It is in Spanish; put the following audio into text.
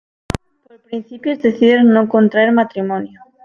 Por principios deciden no contraer matrimonio.